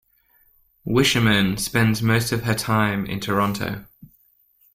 Wischermann spends most of her time in Toronto.